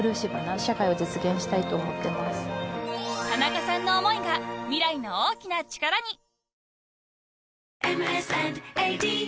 ［田中さんの思いが未来の大きな力に］